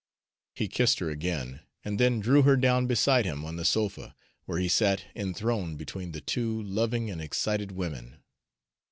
He kissed her again, and then drew her down beside him on the sofa, where he sat enthroned between the two loving and excited women.